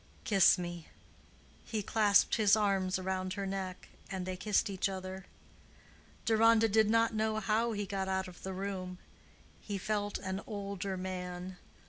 Kiss me." He clasped his arms round her neck, and they kissed each other. Deronda did not know how he got out of the room. He felt an older man.